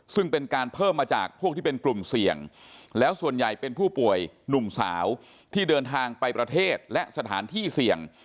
ซึ่งเป็นการเพิ่มมาจากพวกที่เป็นกลุ่มเสี่ยงแล้วส่วนใหญ่เป็นผู้ป่วยหนุ่มสาวที่เดินทางไปประเทศและสถานที่เสี่ยง